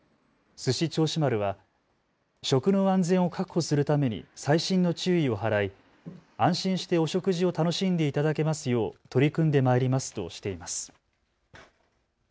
すし銚子丸は食の安全を確保するために細心の注意を払い安心してお食事を楽しんでいただけますよう取り組んでまいりますとしています。